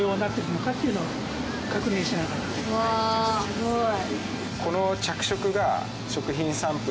すごい。